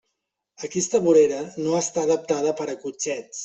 Aquesta vorera no està adaptada per a cotxets.